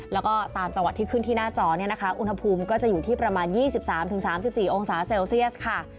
แล้วก็ตามจังหวัดที่ขึ้นที่หน้าจอเนี่ยนะคะอุณหภูมิก็จะอยู่ที่ประมาณ๒๓๓๔องศาเซลเซียสค่ะ